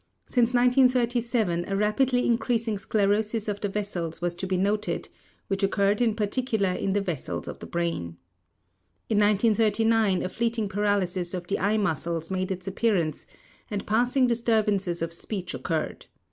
Since 1937 a rapidly increasing sclerosis of the vessels was to be noted which occurred in particular in the vessels of the brain. In 1939 a fleeting paralysis of the eye muscles made its appearance and passing disturbances of speech occured.